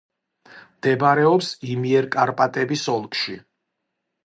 მდებარეობს იმიერკარპატების ოლქში.